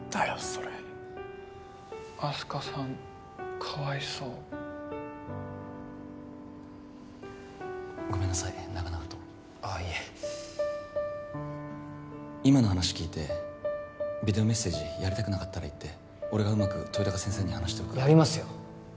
それあす花さんかわいそうごめんなさい長々とああいえ今の話聞いてビデオメッセージやりたくなかったら言って俺がうまく豊高先生に話しとくからやりますよ